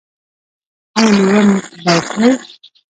ایا میوه به خورئ؟